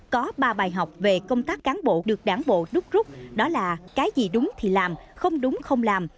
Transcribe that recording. có ba bài học về công tác cán bộ được đảng bộ đúc rút đó là cái gì đúng thì làm không đúng không làm